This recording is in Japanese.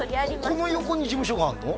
ここの横に事務所があるの？